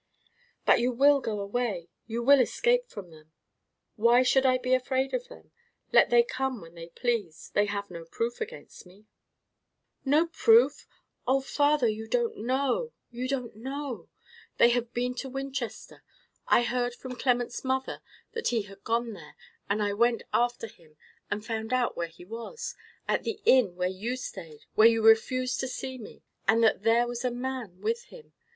"But you will go away—you will escape from them?" "Why should I be afraid of them? Let them come when they please, they have no proof against me." "No proof? Oh, father, you don't know—you don't know. They have been to Winchester. I heard from Clement's mother that he had gone there; and I went after him, and found out where he was—at the inn where you stayed, where you refused to see me—and that there was a man with him.